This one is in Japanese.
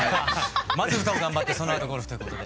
まず歌を頑張ってそのあとゴルフということで。